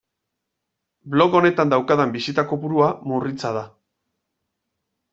Blog honetan daukadan bisita kopurua murritza da.